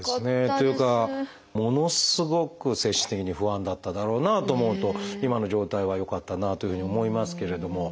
というかものすごく精神的に不安だっただろうなと思うと今の状態はよかったなというふうに思いますけれども。